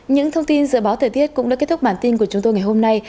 những thông tin dự báo thời tiết cũng đã kết thúc bản tin của chúng tôi ngày hôm nay